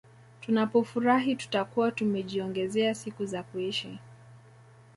Tunapofurahi tutakuwa tumejiongezea siku za kuishi